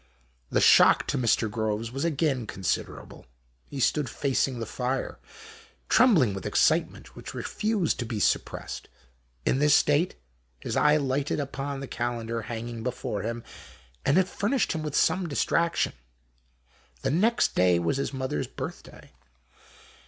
The shock to Mr. Groves was again consider able. He stood facing the fire, trembling with excitement which refused to be suppressed. In this state his eye lighted upon the calendar hanging before him, and it furnished him with some distraction. The next day was his mother's birthday.